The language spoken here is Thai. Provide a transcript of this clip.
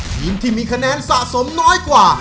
ทีมที่มีคะแนนสะสมน้อยกว่า